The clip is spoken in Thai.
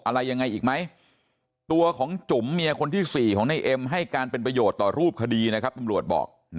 อะไรยังไงอีกไหมตัวของจุ๋มเมียคนที่๔ของในเอ็มให้การเป็นประโยชน์ต่อรูปคดีนะครับตำรวจบอก